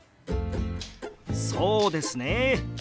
そうですね